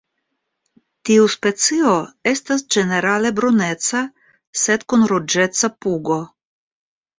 Tiu specio estas ĝenerale bruneca sed kun ruĝeca pugo.